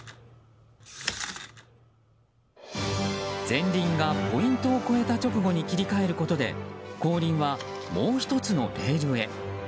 前輪がポイントを越えた直後に切り替えることで後輪はもう１つのレールへ。